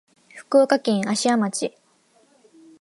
福岡県芦屋町